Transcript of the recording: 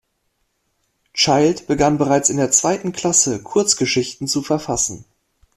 Child begann bereits in der zweiten Klasse Kurzgeschichten zu verfassen.